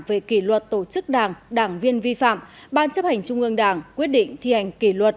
về kỷ luật tổ chức đảng đảng viên vi phạm ban chấp hành trung ương đảng quyết định thi hành kỷ luật